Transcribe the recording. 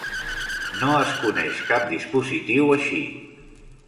No es coneix cap dispositiu així.